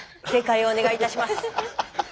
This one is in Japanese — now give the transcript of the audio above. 正解をお願いいたします。